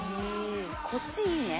こっちいいね。